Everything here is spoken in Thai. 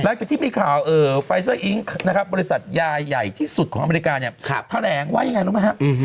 แล้วจากที่มีข่าวไฟเซอร์อิงค์บริษัทยาใหญ่ที่สุดของอเมริกาแถลงว่าอย่างไรรู้ไหมครับ